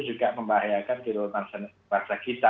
juga membahayakan diri luar bangsa kita